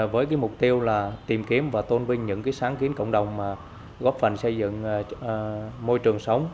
với cái mục tiêu là tìm kiếm và tôn vinh những cái sáng kiến cộng đồng mà góp phần xây dựng môi trường sống